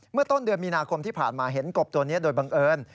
เมื่อต้นเดือนมีนาคมที่ผ่านมาเห็นกบตัวนี้โดยบังเอิญ